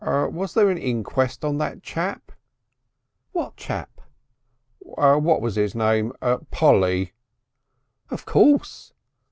"Was there an inquest on that chap?" "What chap?" "What was his name? Polly!" "Of course."